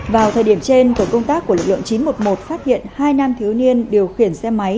vào thời điểm trên tổ công tác của lực lượng chín trăm một mươi một phát hiện hai nam thiếu niên điều khiển xe máy